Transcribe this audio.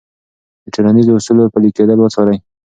د ټولنیزو اصولو پلي کېدل وڅارئ.